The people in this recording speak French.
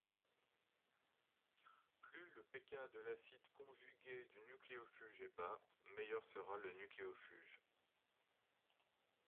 Plus le pK de l'acide conjugué du nucléofuge est bas, meilleur sera le nucléofuge.